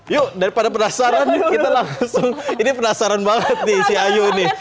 yuk daripada penasaran yuk kita langsung ini penasaran banget nih si ayu nih